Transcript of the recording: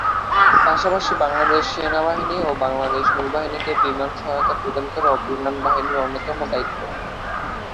পাশাপাশি, বাংলাদেশ সেনাবাহিনী ও বাংলাদেশ নৌবাহিনীকে বিমান সহায়তা প্রদান করাও বিমান বাহিনীর অন্যতম দায়িত্ব।